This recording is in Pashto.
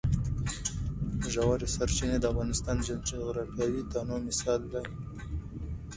ژورې سرچینې د افغانستان د جغرافیوي تنوع مثال دی.